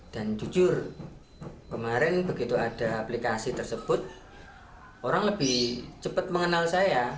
dan jujur kemarin begitu ada aplikasi tersebut orang lebih cepat mengenal saya